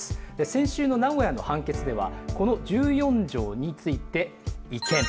先週の名古屋の判決ではこの１４条について違憲。